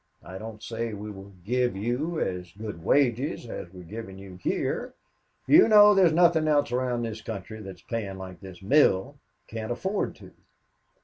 I don't say we will give you as good wages as we are giving you here. You know there is nothing else around this country that is paying like this mill, can't afford to.